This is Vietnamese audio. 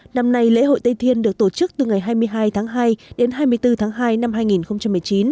năm nay lễ hội tây thiên được tổ chức từ ngày hai mươi hai tháng hai đến hai mươi bốn tháng hai năm hai nghìn một mươi chín